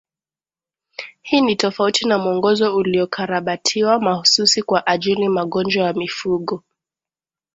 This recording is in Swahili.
Hii ni tofauti na mwongozo uliokarabatiwa mahsusi kwa ajili magonjwa ya mifugo